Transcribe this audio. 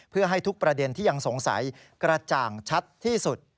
เพื่อให้ทุกประเด็นที่ยังสงสัยกระจ่างชัดที่สุด